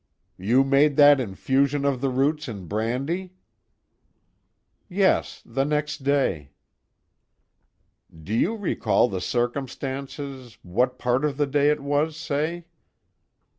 "You made that infusion of the roots in brandy?" "Yes, the next day." "Do you recall the circumstances what part of the day it was, say?"